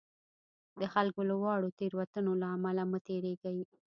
د خلکو له واړو تېروتنو له امله مه تېرېږئ.